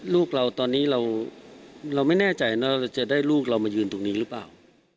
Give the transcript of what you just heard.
เราไม่แน่ใจจะได้ลูกเรามายืนตรงนี้หรือเปล่า